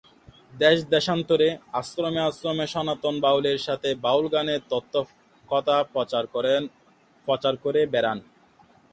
দেশ-দেশান্তরে, আশ্রমে- আশ্রমে সনাতন বাউল এর সাথে বাউল গান এর তত্ত্ব কথা প্রচার করে বেরান।